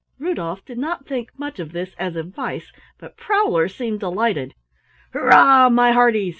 Rudolf did not think much of this as advice, but Prowler seemed delighted. "Hurrah, my hearties!"